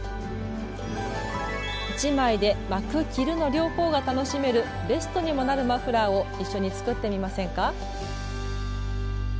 １枚で巻く・着るの両方が楽しめるベストにもなるマフラーを一緒に作ってみませんか？